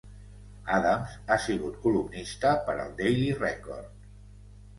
Adams ha sigut columnista per al "Daily Record".